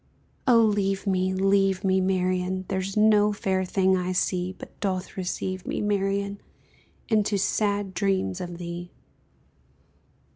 Oh leave me, leave me, Marian, There's no fair thing I see But doth deceive me, Marian, Into sad dreams of thee!